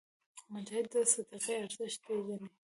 مجاهد د صدقې ارزښت پېژني.